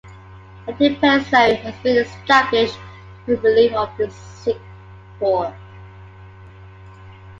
A dispensary has been established for the relief of the sick poor.